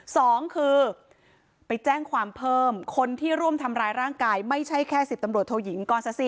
สองคือไปแจ้งความเพิ่มคนที่ร่วมทำร้ายร่างกายไม่ใช่แค่สิบตำรวจโทยิงกรซะสิ